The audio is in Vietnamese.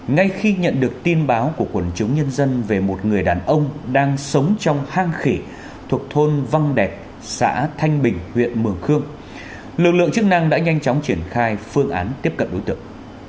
ngay khi nhận được tin báo của quần chúng nhân dân về một người đàn ông đang sống trong hang khỉ thuộc thôn văng đẹp xã thanh bình huyện mường khương lực lượng chức năng đã nhanh chóng triển khai phương án tiếp cận đối tượng